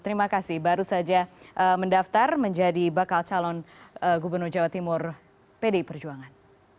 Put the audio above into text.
terima kasih baru saja mendaftar menjadi bakal calon gubernur jawa timur pdi perjuangan